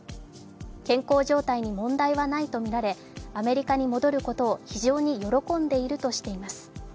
健康状態に問題はないとみられアメリカに戻ることを非常に喜んでいるとしています。